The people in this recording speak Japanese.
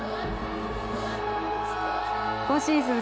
今シーズン